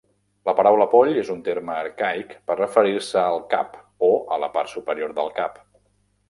La paraula "poll" és un terme arcaic per referir-se al "cap" o a la "part superior del cap".